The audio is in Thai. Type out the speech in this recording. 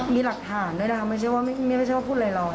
มีหลักฐานด้วยนะคะไม่ใช่ว่าพูดอะไรร้อย